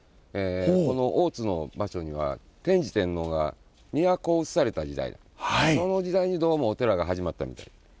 この大津の場所には天智天皇が都を移された時代その時代にどうもお寺が始まったみたい。